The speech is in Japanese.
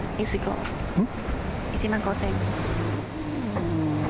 うん。